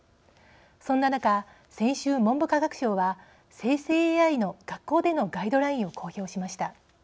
そんな中、先週、文部科学省は生成ＡＩの学校でのガイドラインを公表しました。